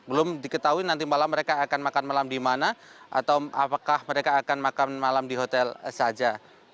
belum diketahui nanti malam mereka akan makan malam di mana atau apakah mereka akan makan malam di hotel saja